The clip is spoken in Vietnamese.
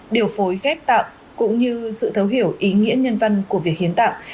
điều phối ghép tạng cũng như sự thấu hiểu ý nghĩa nhân văn của việc hiến tặng